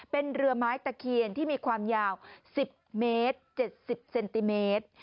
เป็นเรือไม้ตะเคียนที่มีความยาว๑๐เมตร๗๐เซนติเมตร